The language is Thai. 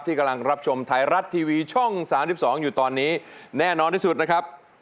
กำลังรับชมไทยรัฐทีวีช่อง๓๒อยู่ตอนนี้แน่นอนที่สุดนะครับ